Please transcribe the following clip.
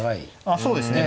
ああそうですね。